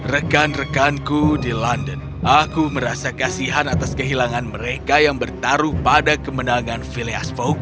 rekan rekanku di london aku merasa kasihan atas kehilangan mereka yang bertaruh pada kemenangan phileas fog